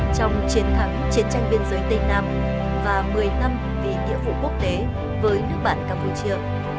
trong chiến thắng chiến tranh biên giới tây nam và một mươi năm vì nghĩa vụ quốc tế với nước bạn campuchia